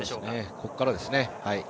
ここからですね。